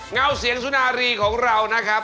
เงาเสียงสุนารีของเรานะครับ